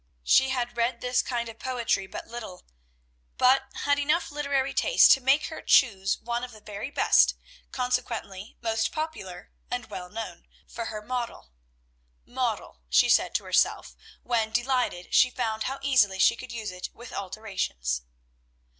She had read this kind of poetry but little; but had enough literary taste to make her choose one of the very best, consequently most popular and well known, for her model. "Model," she said to herself when, delighted, she found how easily she could use it with alterations.